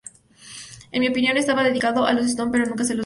En mi opinión, estaba dedicado a los Stones, pero nunca se los dije.